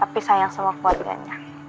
tapi sayang sama keluarganya